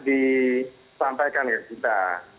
disampaikan ke kita